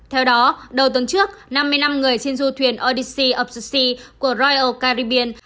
theo đó đầu tuần trước năm mươi năm người trên du thuyền odyssey of the sea của royal caribbean